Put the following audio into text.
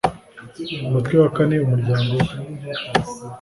umutwe wa kane umuryango we